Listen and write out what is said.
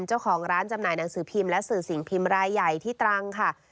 เจ้าของร้านจำหน่ายหนังสือพิมพ์และสื่อสิ่งพิมพ์รายใหญ่ที่ตรังค่ะ